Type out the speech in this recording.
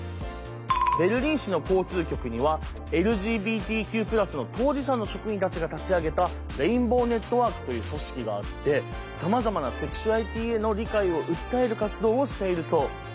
ベルリン市の交通局にはＬＧＢＴＱ＋の当事者の職員たちが立ち上げたレインボーネットワークという組織があってさまざまなセクシュアリティーへの理解を訴える活動をしているそう。